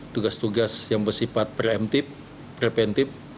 tugas tugas yang bersifat preemptif preventif